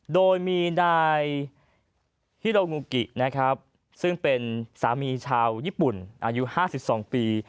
โดยมีนายฮิโรงูกินะครับซึ่งเป็นสามีชาวญี่ปุ่นอายุ๕๒ปี